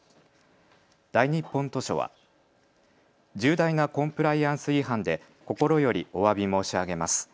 大日本図書は重大なコンプライアンス違反で心よりおわび申し上げます。